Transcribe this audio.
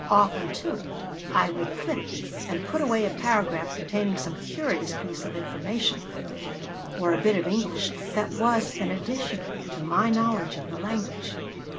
Often, too, I would clip and put away a paragraph containing some curious piece of information or a bit of English that was an addition to my knowledge of the language.